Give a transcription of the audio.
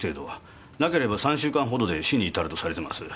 なければ３週間ほどで死に至るとされてます。